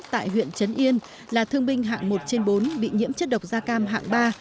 tại huyện trấn yên là thương binh hạng một trên bốn bị nhiễm chất độc da cam hạng ba